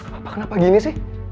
papa kenapa gini sih